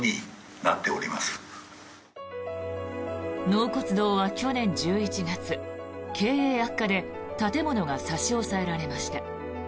納骨堂は去年１１月経営悪化で建物が差し押さえられました。